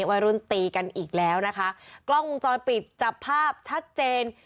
วัยรุ่นตีกันอีกแล้วนะคะกล้องวงจรปิดจับภาพชัดเจน